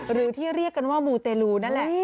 หรือที่เรียกกันว่ามูเตลูนั่นแหละ